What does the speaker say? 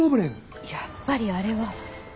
やっぱりあれは。